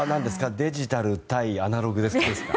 デジタル対アナログですかね。